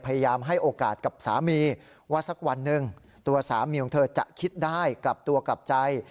พยายามให้โอกาสกับสามีว่าสักวันหนึ่งตัวสามีของเธอจะคิดได้กลับตัวกลับใจ